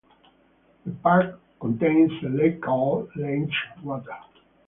The park contains a lake called Leigh water.